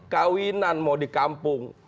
kawinan mau di kampung